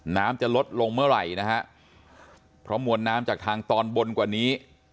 น้ำจะลดลงเมื่อไหร่นะฮะเพราะมวลน้ำจากทางตอนบนกว่านี้